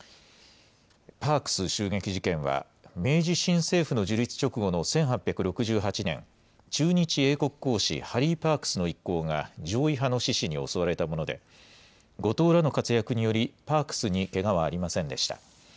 パークス襲撃事件は、明治新政府の樹立直後の１８６８年、駐日英国公使、ハリー・パークスの一行が攘夷派の志士に襲われたもので、後藤らの活躍により、パークスにけがはありませんでした。